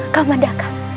kamu ada gak